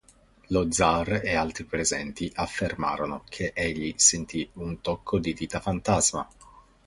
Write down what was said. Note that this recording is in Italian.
Lo Zar e altri presenti affermarono che egli sentì un tocco di dita fantasma.